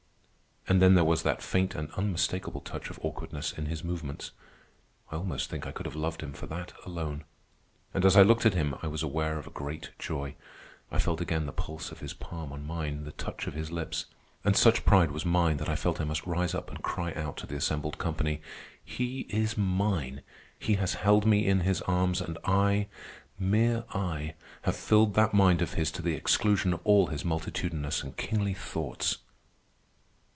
And then there was that faint and unmistakable touch of awkwardness in his movements. I almost think I could have loved him for that alone. And as I looked at him I was aware of a great joy. I felt again the pulse of his palm on mine, the touch of his lips; and such pride was mine that I felt I must rise up and cry out to the assembled company: "He is mine! He has held me in his arms, and I, mere I, have filled that mind of his to the exclusion of all his multitudinous and kingly thoughts!"